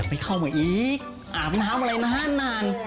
ไปเข้ามาอีกอาบน้ำอะไรนาน